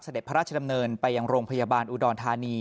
พระราชดำเนินไปยังโรงพยาบาลอุดรธานี